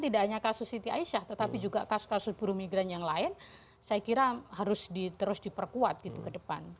tidak hanya kasus siti aisyah tetapi juga kasus kasus buru migran yang lain saya kira harus terus diperkuat gitu ke depan